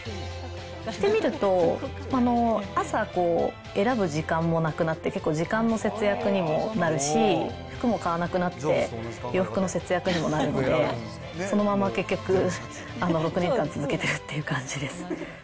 着てみると、朝、選ぶ時間もなくなって、結構、時間の節約にもなるし、服も買わなくなって、洋服の節約にもなるので、そのまま結局、６年間続けてるっていう感じです。